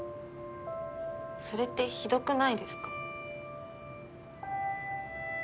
それってひどくないですか？